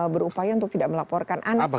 berupaya untuk tidak melaporkan anak sendiri